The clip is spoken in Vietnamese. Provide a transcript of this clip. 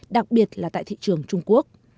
đặc biệt là tại thị trường trung quốc